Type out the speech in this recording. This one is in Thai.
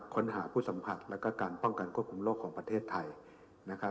ค้นหาผู้สัมผัสและการป้องกันควบคุมโลกของประเทศไทย